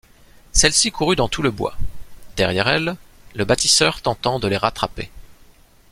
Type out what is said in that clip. Celle-ci courut dans tout le bois, derrière elle, le bâtisseur tentant de les rattraper.